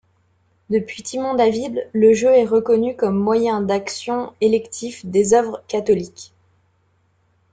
Depuis Timon-David, le jeu est reconnu comme moyen d'action électif des œuvres catholiques.